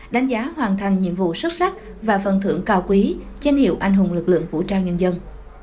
đánh giá hoàn thành nhiệm vụ xuất sắc và phần thưởng cao quý chênh hiệu anh hùng lực lượng vũ trang nhân dân